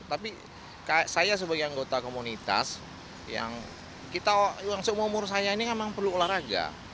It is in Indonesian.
tapi saya sebagai anggota komunitas yang seumur umur saya ini memang perlu olahraga